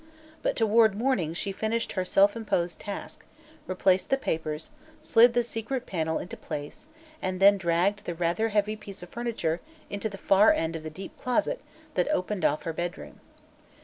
But toward morning she finished her self imposed task, replaced the papers, slid the secret panel into place and then dragged the rather heavy piece of furniture into the far end of the deep closet that opened off her bedroom.